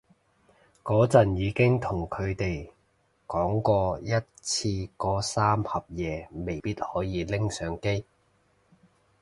嗰陣已經同佢哋講過一次嗰三盒嘢未必可以拎上機